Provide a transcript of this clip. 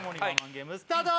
ゲームスタート